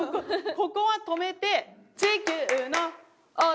ここは止めて「地球の男に」です。